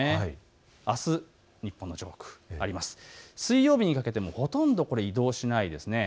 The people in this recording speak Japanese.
あす日本の上空、水曜日にかけてもほとんど移動しないですね。